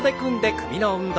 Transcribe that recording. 首の運動。